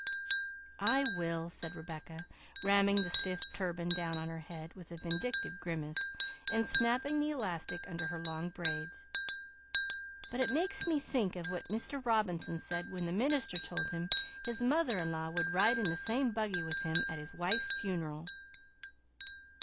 "I will!" said Rebecca, ramming the stiff turban down on her head with a vindictive grimace, and snapping the elastic under her long braids; "but it makes me think of what Mr. Robinson said when the minister told him his mother in law would ride in the same buggy with him at his wife's funeral."